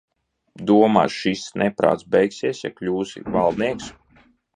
Domā, šis neprāts beigsies, ja kļūsi valdnieks?